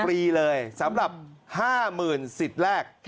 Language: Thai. รีเลยสำหรับ๕๐๐๐สิทธิ์แรก